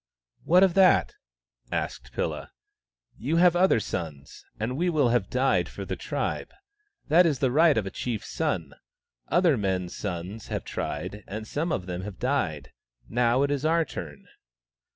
" What of that ?" asked Pilla. " You have other sons, and we will have died for the tribe. That is the right of a chief's son. Other men's sons have tried, and some of them have died. Now it is our turn."